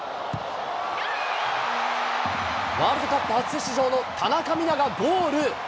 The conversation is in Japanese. ワールドカップ初出場の田中美南がゴール。